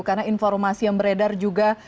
karena informasi yang beredar juga